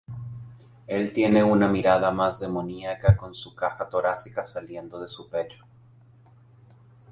Él tiene una mirada más demoníaca con su caja torácica saliendo de su pecho.